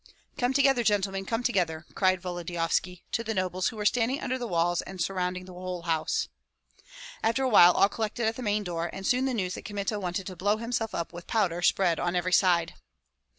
"Come together, gentlemen, come together!" cried Volodyovski to the nobles who were standing under the walls and surrounding the whole house. After a while all collected at the main door, and soon the news that Kmita wanted to blow himself up with powder spread on every side.